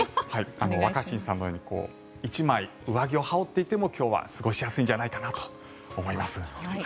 若新さんのように１枚、上着を羽織っていても今日は過ごしやすいんじゃないかなと思います。